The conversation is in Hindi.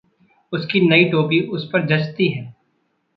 उसकी नई टोपी उसपर जँचती है।